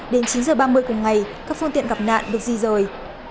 đến chín h ba mươi cùng ngày các phương tiện gặp nạn được di rời